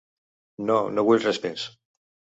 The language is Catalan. No, no vull res més.